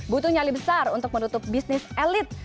butuh nyali besar untuk menutup bisnis elit